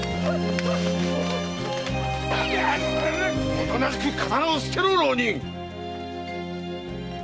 おとなしく刀を捨てろ！浪人！